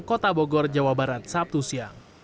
kota bogor jawa barat sabtu siang